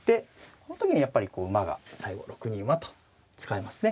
この時にやっぱりこう馬が最後６二馬と使えますね。